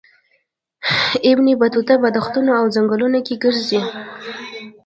ابن بطوطه په دښتونو او ځنګلونو کې ګرځي.